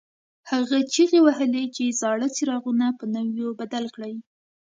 هغه چیغې وهلې چې زاړه څراغونه په نویو بدل کړئ.